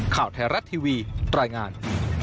ข่าวไทยรัฐทีวีรายงาน